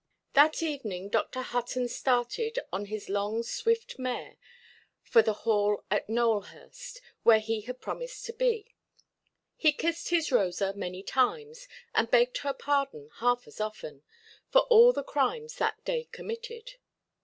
That evening Dr. Hutton started, on his long swift mare, for the Hall at Nowelhurst, where he had promised to be. He kissed his Rosa many times, and begged her pardon half as often, for all the crimes that day committed.